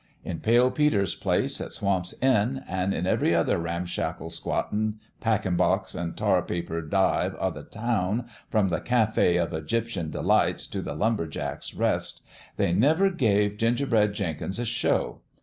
In Pale Peter's place at Swamp's End, an' in every other ramshackle, squattin', packin' box an' tar paper dive o' the town, from the Cafe of Egyptian Delights t' the Lumber jacks' Rest, they never gave Ginger bread Jenkins a show.